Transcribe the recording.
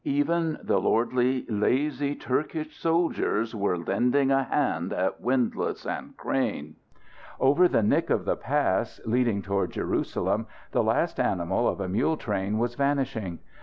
Even the lordly lazy Turkish soldiers were lending a hand at windlass and crane. Over the nick of the pass, leading toward Jerusalem, the last animal of a mule train was vanishing.